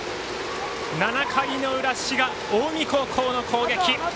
７回の裏、滋賀・近江高校の攻撃。